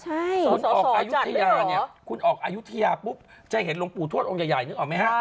คุณออกอายุทยาเนี่ยคุณออกอายุทยาปุ๊บจะเห็นหลวงปู่ทวดองค์ใหญ่นึกออกไหมฮะ